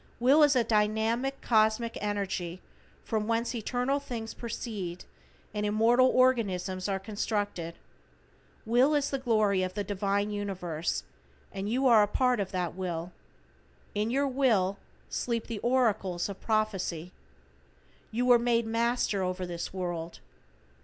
Will is a dynamic, cosmic energy from whence eternal things proceed, and immortal organisms are constructed. Will is the glory of the Divine universe, and you are a part of that Will. In your Will sleep the oracles of prophecy. You were made master over this world.